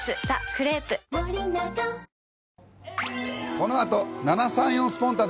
このあと７３４スポンタっ！